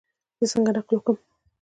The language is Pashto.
زه څنګه نقل وکم؟